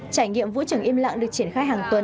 trải nghiệm vũ trường im lặng được triển khai hàng tuần